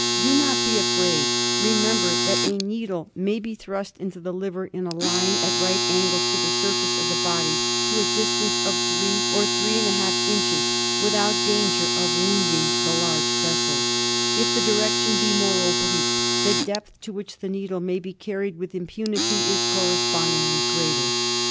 Do not be afraid ; remember that a needle may be thrust into the liver in a line at right angles to the surface of the body to a distance of three or three and a half inches without danger of wounding the large vessels ; if the direction be more oblique, the depth to which the needle may be carried with impunity is correspondingly greater.